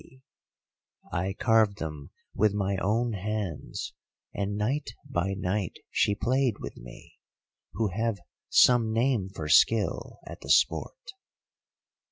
[*] I carved them with my own hands, and night by night she played with me, who have some name for skill at the sport.